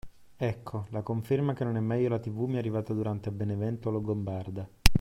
Ecco, la conferma che non è meglio la tv mi è arrivata durante Benevento Longobarda,